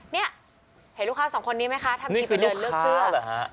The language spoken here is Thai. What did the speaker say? เนี้ยเห็นลูกค้าสองคนนี้ไหมคะนี่คือลูกค้าหรอฮะ